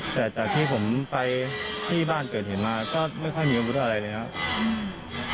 แต่จากที่ผมไปที่บ้านเกิดเหตุมาก็ไม่ค่อยมีอาวุธอะไรเลยครับ